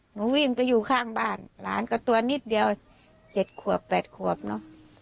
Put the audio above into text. วิ่งไปอยู่ข้างบ้านหลานก็ตัวนิดเดียว๗ขวบ๘ขวบเนอะ